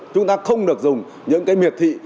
chúng ta không được dùng những cái miệt thị